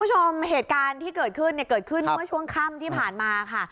คุณผู้ชมเหตุการณ์ที่เกิดขึ้นเนี่ยเกิดขึ้นเมื่อช่วงค่ำที่ผ่านมาค่ะ